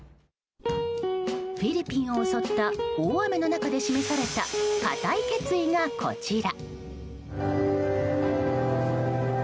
フィリピンを襲った大雨の中で示された固い決意が、こちら。